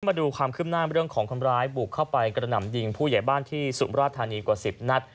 มาดูความขึ้นหน้าเรื่องของคนร้ายบุกเข้าไปกระหน่ำยิงผู้ใหญ่บ้านที่สุมราชธานีกว่า๑๐นัด